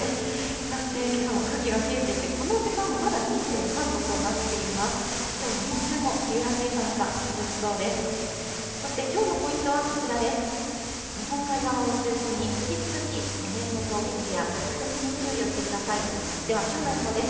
そして、けさも空気が冷えていて、この時間もまだ２．３度となっています。